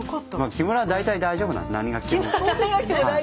木村は大体大丈夫なんです何が来ても。